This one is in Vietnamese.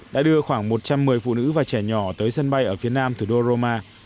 đã đưa khoảng một trăm một mươi phụ nữ và trẻ nhỏ tới sân bay ở phía nam thủ đô roma